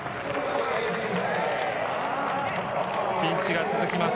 ピンチが続きます。